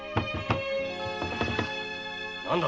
何だ！